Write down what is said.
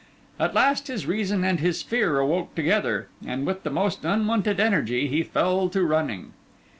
At last his reason and his fear awoke together, and with the most unwonted energy he fell to running.